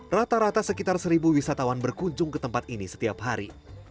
rata rata sekitar seribu wisatawan berkunjung ke tempat ini setiap hari